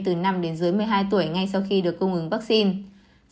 từ năm đến dưới một mươi hai tuổi ngay sau khi được cung ứng vaccine